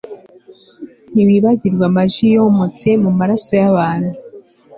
Ntiwibagirwa amajwi yometse mumaraso yabantu